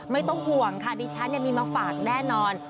ไม่ต้องห่วงค่ะดิฉันมีมาฝากแน่นอน